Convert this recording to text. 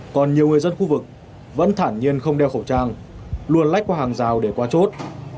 còn nhiều người dân khu vực vẫn thản nhiên không đeo khẩu trang luôn lách qua hàng rào để qua chốt